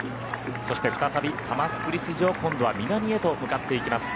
そして再び玉造筋を今度は南へと向かっていきます。